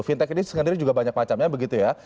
fintech ini sendiri juga banyak macamnya begitu ya